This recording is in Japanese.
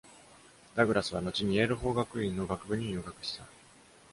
Douglas はのちに、イェール法学院の学部に入学した。